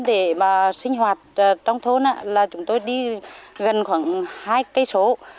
để mà sinh hoạt trong thôn là chúng tôi đi gần khoảng hai cây số